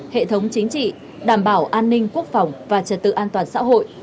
hệ thống chính trị đảm bảo an ninh quốc phòng và trật tự an toàn xã hội